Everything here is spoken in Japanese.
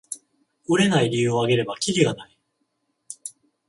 売れない理由をあげればキリがない